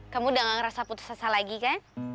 kamu udah gak ngerasa putus asa lagi kan